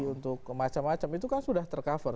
untuk macam macam itu kan sudah tercover